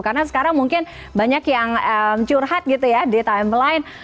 karena sekarang mungkin banyak yang curhat gitu ya di timeline